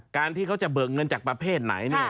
การที่เขาจะเบิกเงินจากประเภทไหน